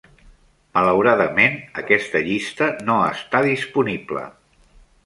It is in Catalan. Malauradament, aquesta llista no està disponible.